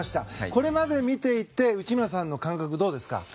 これまで見ていて内村さんの感覚どうですか。